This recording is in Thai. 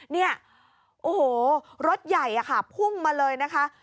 เนี่ยโอ้โหรถใหญ่อะค่ะพุ่งมาเลยนะคะ